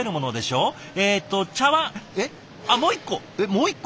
もう一個？